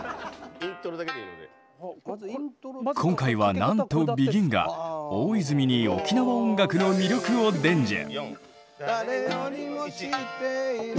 今回はなんとＢＥＧＩＮが大泉に沖縄音楽の魅力を伝授！